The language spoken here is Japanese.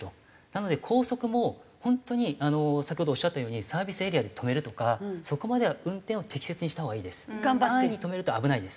なので高速も本当に先ほどおっしゃったようにサービスエリアで止めるとかそこまでは運転を適切にしたほうがいいです。